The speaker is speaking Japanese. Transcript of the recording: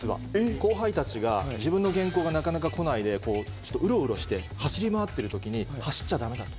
後輩たちが、自分の原稿がなかなかこないで、こう、うろうろして走り回ってるときに走っちゃだめだと。